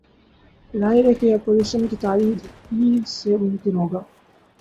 ظاہر ہے کہ یہ اپوزیشن کی تائید ہی سے ممکن ہو گا۔